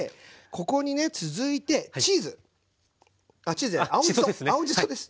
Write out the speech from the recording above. ここにね続いてチーズ！あっチーズじゃない青じそ青じそです。